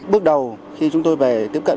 bước đầu khi chúng tôi về tiếp cận